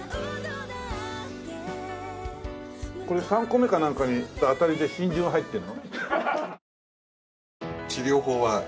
これ３個目かなんかに当たりで真珠が入ってるの？